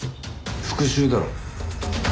復讐だろ。